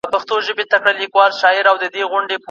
زموږ د شاهباز له شاهپرونو سره لوبي کوي